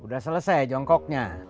udah selesai jongkoknya